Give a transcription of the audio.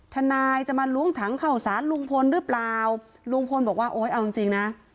ทนายจะมาล้วงถังเข้าสารลุงพลหรือเปล่าลุงพลบอกว่าโอ้ยเอาจริงจริงนะ